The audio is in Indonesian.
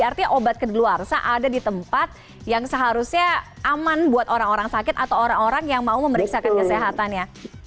artinya obat kedeluarsa ada di tempat yang seharusnya aman buat orang orang sakit atau orang orang yang mau memeriksakan kesehatannya